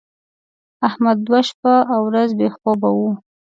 احمد دوه شپه او ورځ بې خوبه و.